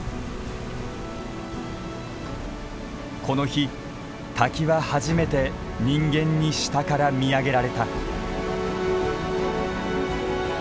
この日滝は初めて人間に下から見上げられた。